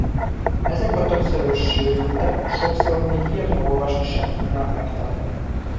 Ezek a többszörös sérültek sokszor még írni-olvasni sem tudnak megtanulni.